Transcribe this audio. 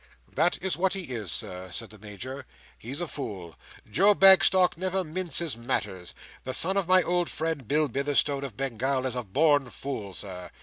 "That is what he is, sir," said the Major. "He's a fool. Joe Bagstock never minces matters. The son of my old friend Bill Bitherstone, of Bengal, is a born fool, Sir."